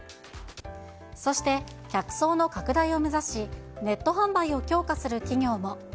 そして、客層の拡大を目指し、ネット販売を強化する企業も。